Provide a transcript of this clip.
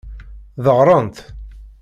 Deɣrent.